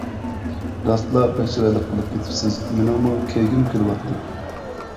راستلا بەك چىرايلىق بولۇپ كېتىپسىز، مېنىڭمۇ كىيگۈم كېلىۋاتىدۇ.